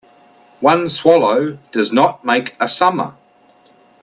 One swallow does not make a summer